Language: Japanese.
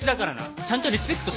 ちゃんとリスペクトしろよ。